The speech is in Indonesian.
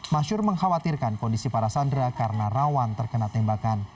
masyur mengkhawatirkan kondisi para sandera karena rawan terkena tembakan